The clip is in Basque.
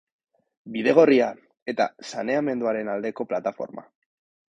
Bidegorria eta saneamenduaren aldeko plataforma